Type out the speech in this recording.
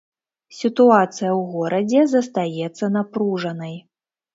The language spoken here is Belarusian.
Сітуацыя ў горадзе застаецца напружанай.